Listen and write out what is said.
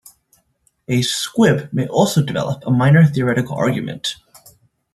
A squib may also develop a minor theoretical argument.